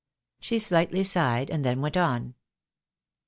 She slightly sighed, and then went on.